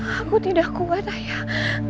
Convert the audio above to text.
aku tidak kuat ayah